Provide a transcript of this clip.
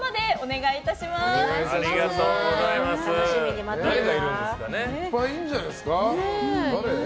いっぱいいるんじゃないですか。